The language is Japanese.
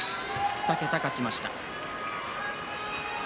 ２桁勝ちました。